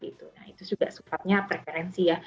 itu juga suatu preferensi